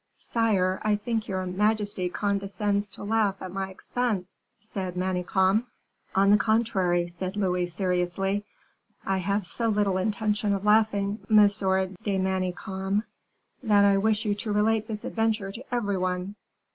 "Sire, I think your majesty condescends to laugh at my expense," said Manicamp. "On the contrary," said Louis, seriously, "I have so little intention of laughing, Monsieur de Manicamp, that I wish you to relate this adventure to every one."